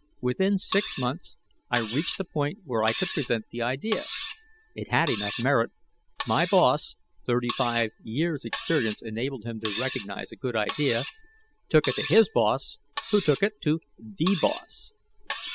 Within six months, I reached a point where I could present the idea. It had enough merit. My boss 35 years' experience enabled him to recognize a good idea took it to his boss who took it to The Boss.